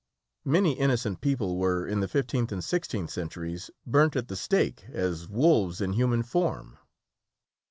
Many innocent people were in the fifteenth and sixteenth centuries burnt at the stake as wolves in human form.